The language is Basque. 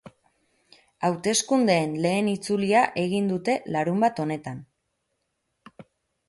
Hauteskundeen lehen itzulia egin dute larunbat honetan.